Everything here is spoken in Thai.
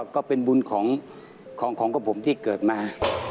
ก็เป็นบุญของผมที่เกิดมา